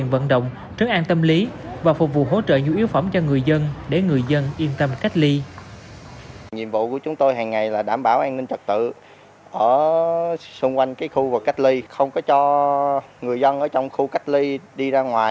bằng vận động chứng an tâm lý và phục vụ hỗ trợ nhu yếu phẩm cho người dân